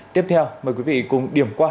tiếp theo mời quý vị cùng điểm qua